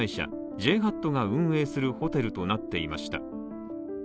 ＪＨＡＴが運営するホテルとなっていました。